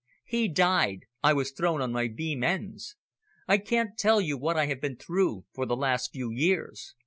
He died; I was thrown on my beam ends. I can't tell you what I have been through for the last few years.